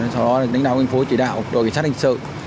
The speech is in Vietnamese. sau đó lãnh đạo ngành phố chỉ đạo đội kiểm soát hình sự